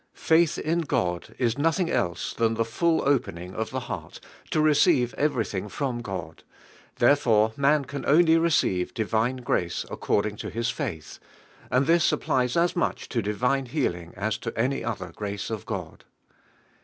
F aith in God is nothing else than the full opening of the heart to receive everything from God; therefore man can only receive divine grace according to his faith; and this ap plies as much to divine healing as to any oilier grace of God.